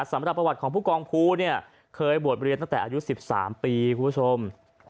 สำหรับประวัติของผู้กองภูเนี่ยเคยบวชเรียนตั้งแต่อายุ๑๓ปีคุณผู้ชม